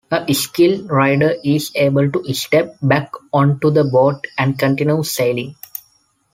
A skilled rider is able to step back onto the board and continue sailing.